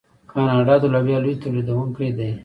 کاناډا د لوبیا لوی تولیدونکی دی.